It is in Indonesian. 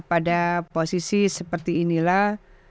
pada posisi seperti inilah